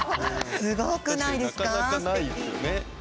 すごくないですかすてき。